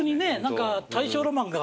何か大正ロマンが。